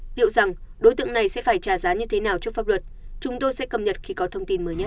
liệu rằng đối tượng này sẽ phải trả giá như thế nào trước pháp luật chúng tôi sẽ cập nhật khi có thông tin mới nhất